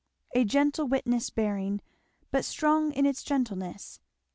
A gentle witness bearing, but strong in its gentleness.